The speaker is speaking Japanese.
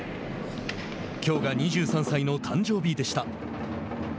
きょうが２３歳の誕生日でした。